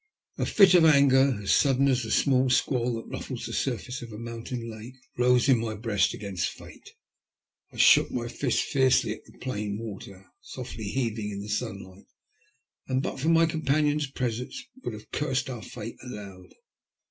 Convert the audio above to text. A fit of anger, as sadden as the squall that ruffles the surface of a mountain lake, rose in my breast against Fate. I shook my fist fiercely at the plane of water softly heaving in the sunlight, and but for my companion's presence could have cursed our fate aloud.